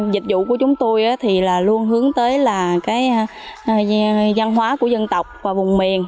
dịch vụ của chúng tôi thì luôn hướng tới là cái gian hóa của dân tộc và vùng miền